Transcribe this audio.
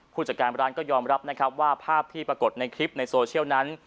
ผู้จัดการร้านก็ยอมรับนะครับว่าภาพที่ปรากฏในคลิปในโซเชียลนั้น